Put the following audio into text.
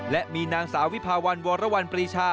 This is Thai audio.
และมีนางสาววิภาวันวรวรรณปรีชา